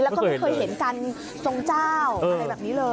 แล้วก็ไม่เคยเห็นการทรงเจ้าอะไรแบบนี้เลย